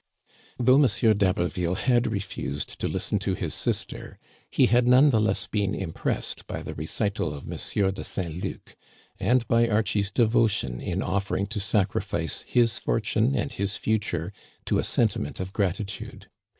Though M. d'Haberville had refused to listen to his sister, he had none the less been impressed by the re cital of M. de Saint Luc, and by Archie's devotion in offering to sacrifice his fortune and his future to a senti ment of gratitude.